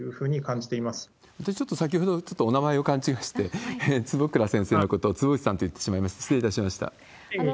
じゃあ、ちょっと先ほど、お名前を勘違いして、坪倉先生のことをつぼうちさんと言ってしまいました、失礼いたしいえいえ。